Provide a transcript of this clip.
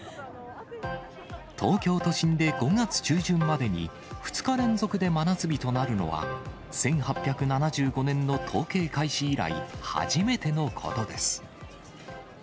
東京都心で５月中旬までに、２日連続で真夏日となるのは、１８７５年の統計開始以来、初めてのことです。